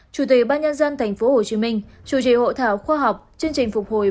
chủ tịch ban nhân dân tp hcm chủ trì hộ thảo khoa học chương trình phục hồi